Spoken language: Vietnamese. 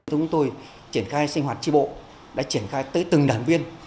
chúng tôi triển khai sinh hoạt tri bộ đã triển khai tới từng đảng viên